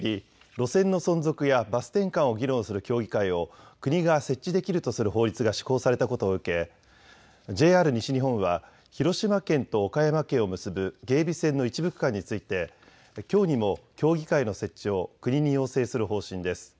路線の存続やバス転換を議論する協議会を国が設置できるとする法律が施行されたことを受けＪＲ西日本は広島県と岡山県を結ぶ芸備線の一部区間についてきょうにも協議会の設置を国に要請する方針です。